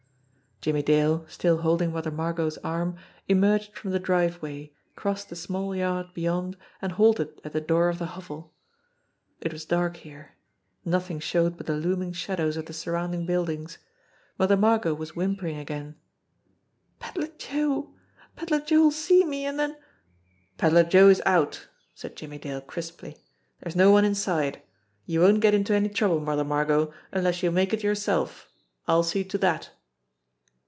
Jimmie Dale, still holding Mother Margot's arm, emerged from the driveway, crossed the small yard beyond, and halted at the door of the hovel. It was dark here ; nothing showed but the looming shadows of the surrounding buildings. Mother Margot was whim pering again: "Pedler Joe ! Pedler Joe'll see me, an' den " "Pedler Joe is out," said Jimmie Dale crisply. "There's no one inside. You won't get into any trouble, Mother Margot, unless you make it yourself. I'll see to that!"